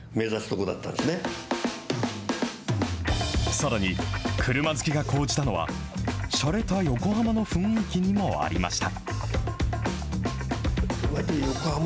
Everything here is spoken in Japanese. さらに、車好きが高じたのは、しゃれた横浜の雰囲気にもありました。